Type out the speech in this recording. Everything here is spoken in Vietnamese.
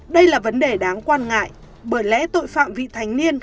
đây là vấn đề đáng quan ngại bởi lẽ tội phạm vị thành niên